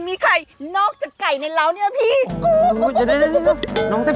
ทีวันดาลง